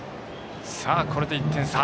これで１点差。